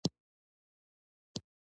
په عبري ژبه یوه کوچنۍ لوحه پرې لیکل شوې وه.